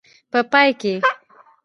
په پای کې.